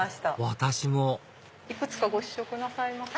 私もいくつかご試食なさいますか？